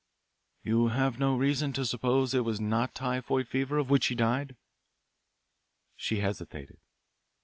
"You have no reason to suppose that it was not typhoid fever of which he died?" She hesitated.